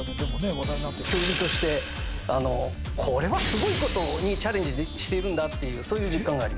話題になってあのこれはすごいことにチャレンジしているんだっていうそういう実感があります